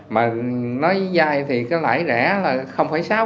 mà nói dai thì cái lãi rẻ là không phải xác